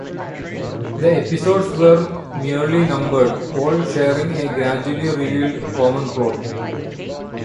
The episodes were merely numbered, all sharing a gradually-revealed common plot.